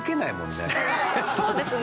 そうですね。